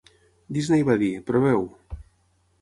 Disney va dir: "Proveu."